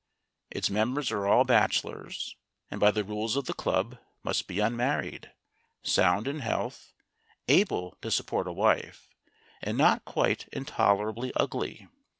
Its members are all bachelors, and by the rules of the club must be unmarried, sound in health, able to support a wife, and not quite intolerably ugly.